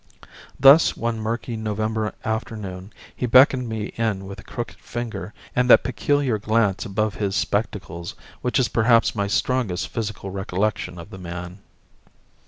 Thus, one murky November afternoon he beckoned me in with a crooked finger and that peculiar glance above his spectacles which is perhaps my strongest physical recollection of the man.